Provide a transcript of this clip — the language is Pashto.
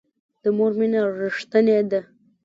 د مور مینه ریښتینې ده